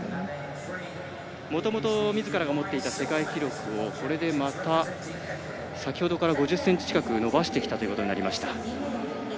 もともと、みずからの持っていた世界記録をこれでまた先ほどから５０ｃｍ近く伸ばしてきたということになりました。